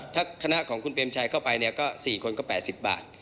ถ้าคณะของคุณเปรมชัยเข้าไปเนี่ยก็๔คนก็๘๐บาท